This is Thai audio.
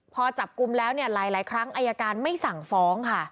พอจับกลุ่มแล้วไร่ครั้งไออาการไม่สั่งฟ้อง